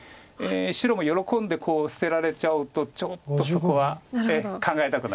白も喜んで捨てられちゃうとちょっとそこは考えたくなります。